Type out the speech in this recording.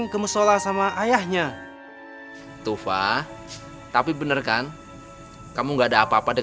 kelupang atau pinjaman